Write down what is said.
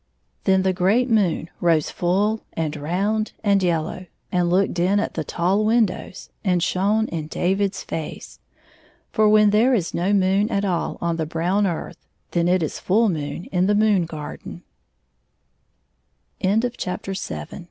Then the great moon rose full and round and yellow, and looked in at the tall windows, and shone in David's face — for when there is no moon at all on the brown earth, then it is full moon in the